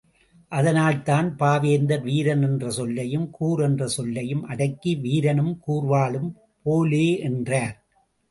அதனால்தான், பாவேந்தர், வீரன் என்ற சொல்லையும் கூர் என்ற சொல்லையும் அடக்கி வீரனும் கூர்வாளும் போலே என்றார்.